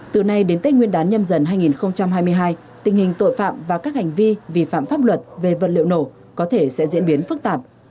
từ nay đến tết nguyên đán nhâm dần hai nghìn hai mươi hai tình hình tội phạm và các hành vi vi phạm pháp luật về vật liệu nổ có thể sẽ diễn biến phức tạp